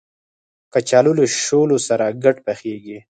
کچالو له شولو سره ګډ پخېږي